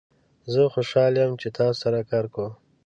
زه خوشحال یم چې تاسو سره کار کوم.